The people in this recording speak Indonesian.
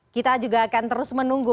kita juga akan terus menunggu